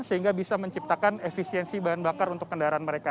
sehingga bisa menciptakan efisiensi bahan bakar untuk kendaraan mereka